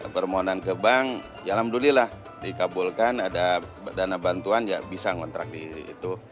permohonan ke bank ya alhamdulillah dikabulkan ada dana bantuan ya bisa ngontrak di situ